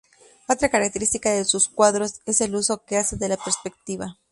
Otra característica de sus cuadros es el uso que hace de la perspectiva.